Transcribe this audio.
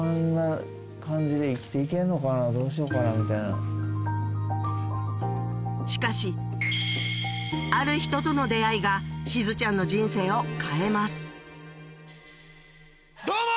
この時期の作品がしかしある人との出会いがしずちゃんの人生を変えますどうも！